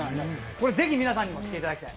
これぜひ皆さんにも聴いていただきたい。